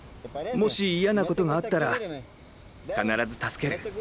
もし嫌なことがあったら必ず助ける。